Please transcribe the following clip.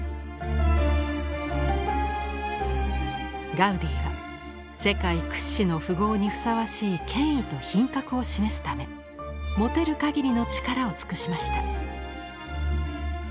ガウディは世界屈指の富豪にふさわしい権威と品格を示すため持てるかぎりの力を尽くしました。